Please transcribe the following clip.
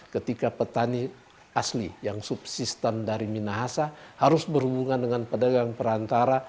ketika petani asli yang subsistan dari minahasa harus berhubungan dengan pedagang perantara